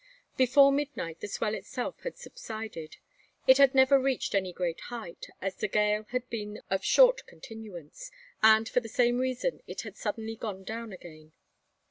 Before midnight the swell itself had subsided. It had never reached any great height, as the gale had been of short continuance; and for the same reason it had suddenly gone down again.